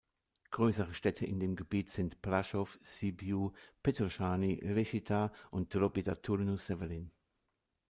Größere Städte in dem Gebiet sind Brașov, Sibiu, Petroșani, Reșița und Drobeta Turnu Severin.